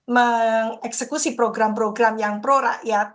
mengeksekusi program program yang pro rakyat